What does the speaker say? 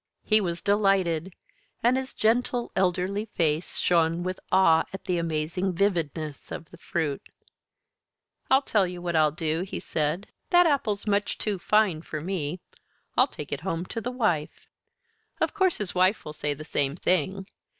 He was delighted and his gentle elderly face shone with awe at the amazing vividness of the fruit. "I tell you what I'll do," he said. "That apple's much too fine for me. I'll take it home to the wife." Of course his wife will say the same thing.